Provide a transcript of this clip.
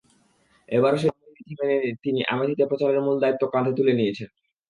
এবারও সেই রীতি মেনে তিনি আমেথিতে প্রচারের মূল দায়িত্ব কাঁধে তুলে নিয়েছেন।